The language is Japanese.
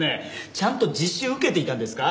ちゃんと実習を受けていたんですか？